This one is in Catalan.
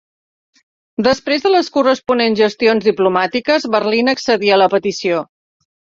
Després de les corresponents gestions diplomàtiques, Berlín accedí a la petició.